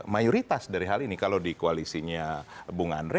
mayoritas dari hal ini kalau di koalisinya bung andre